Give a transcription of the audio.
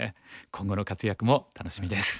今後の活躍も楽しみです。